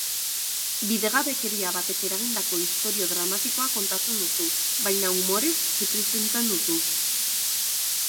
Bidegabekeria batek eragindako istorio dramatikoa kontatzen duzu, baina umorez zipriztintzen duzu.